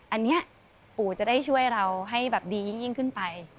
อันนี้ปู่จะได้ช่วยเราให้แบบดียิ่งขึ้นไป